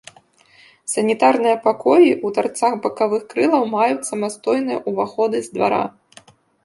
Санітарныя пакоі ў тарцах бакавых крылаў маюць самастойныя ўваходы з двара.